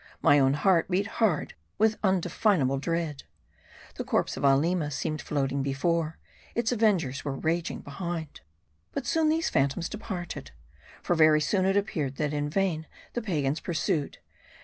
My own heart beat hard with undefin able dread. The corpse of Aleema seemed floating before : its avengers were raging behind. But soon these phantoms departed. For very soon it ap peared that in vain the pagans pursued.